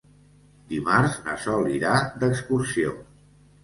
Dimarts na Sol irà d'excursió.